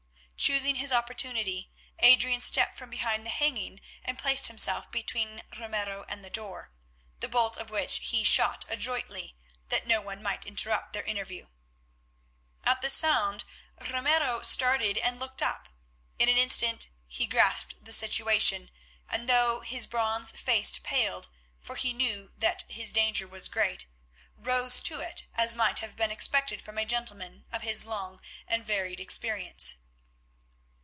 Choosing his opportunity, Adrian stepped from behind the hanging and placed himself between Ramiro and the door, the bolt of which he shot adroitly that no one might interrupt their interview. At the sound Ramiro started and looked up. In an instant he grasped the situation, and though his bronzed face paled, for he knew that his danger was great, rose to it, as might have been expected from a gentleman of his long and varied experience.